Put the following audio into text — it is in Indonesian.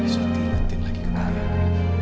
sakti ingetin lagi kepadamu